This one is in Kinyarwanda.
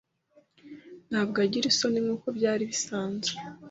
Ntabwo agira isoni nkuko byari bisanzwe.